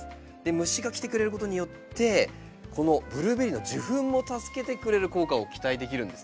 虫が来てくれることによってこのブルーベリーの受粉も助けてくれる効果を期待できるんですね。